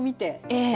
ええ。